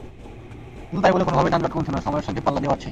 কিন্তু তাই বলে কোনোভাবেই যানজট কমছে না, সময়ের সঙ্গে পাল্লা দিয়ে বাড়ছেই।